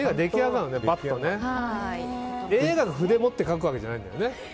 ＡＩが筆を持って描くわけじゃないんだよね。